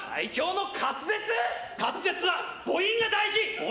滑舌は母音が大事！